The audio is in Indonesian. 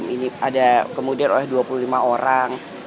ini ada kemudian oleh dua puluh lima orang